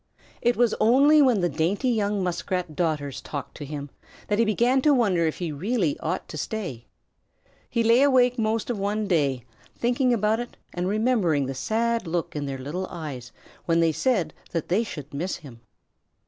It was only when the dainty young Muskrat daughters talked to him that he began to wonder if he really ought to stay. He lay awake most of one day thinking about it and remembering the sad look in their little eyes when they said that they should miss him.